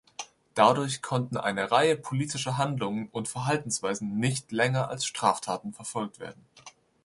Dadurch konnten eine Reihe politischer Handlungen und Verhaltensweisen nicht länger als Straftaten verfolgt werden.